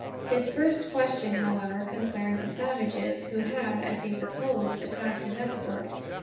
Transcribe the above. His first question, however, concerned the savages who had, as he supposed, attacked his escort.